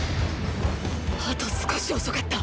あと少し遅かった。